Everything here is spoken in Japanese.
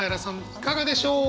いかがでしょう。